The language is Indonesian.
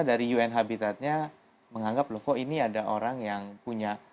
kami mulai berkata bahwa ini adalah bagian utama kami jika memiliki keinginan di indonesia